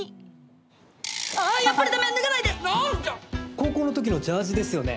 高校の時のジャージですよね。